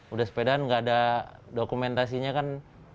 udah sepeda kan nggak ada dokumentasinya kan